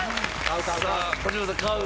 さあ児嶋さん買う？